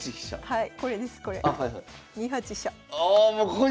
はい。